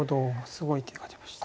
すごい手が出ました。